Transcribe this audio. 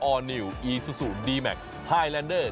อร์นิวอีซูซูดีแมคไฮแลนเดอร์